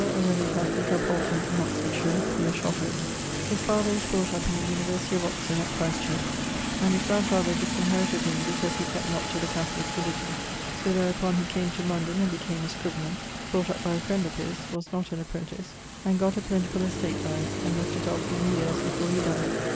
(a Roman Catholic), of Holton, in Oxfordshire, neer Shotover. His father was brought up in the University of Oxon, at Christ Church, and his grandfather disinherited him because he kept not to the Catholique religion[XVIII.]. So therupon he came to London, and became a scrivener (brought up by a friend of his; was not an apprentice), and gott a plentifull estate by it, and left it off many yeares before he dyed.